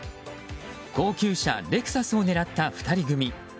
高級車レクサスを狙った２人組。